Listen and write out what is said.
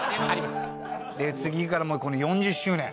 次から４０周年。